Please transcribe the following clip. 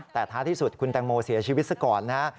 แต่ท้ายที่สุดคุณแตงโมเสียชีวิตซะก่อนนะฮะ